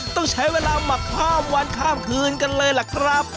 ต้องใช้เวลาหมักข้ามวันข้ามคืนกันเลยล่ะครับ